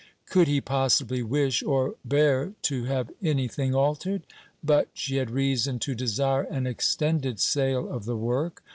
Could he possibly wish, or bear, to, have anything altered? But she had reason to desire an extended sale of the work.